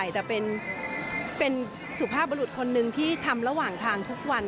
แต่เป็นสุภาพบรุษคนหนึ่งที่ทำระหว่างทางทุกวัน